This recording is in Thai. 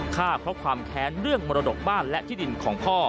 ฆ่าเพราะความแค้นเรื่องมรดกบ้านและที่ดินของพ่อ